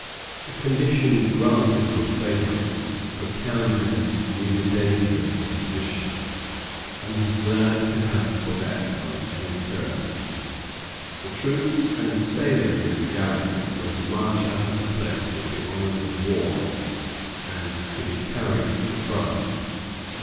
The conditions granted were favorable, for Townshend knew the danger of his position, and was glad to have Quebec on any terms. The troops and sailors of the garrison were to march out of the place with the honors of war, and to be carried to France.